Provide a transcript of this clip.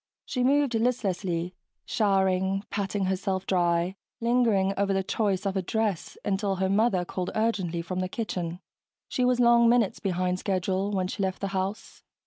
She moved listlessly, showering patting herself dry, lingering over the choice of a dress until her mother called urgently from the kitchen. She was long minutes behind schedule when she left the house.